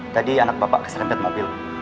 tadi anak bapak keserempet mobil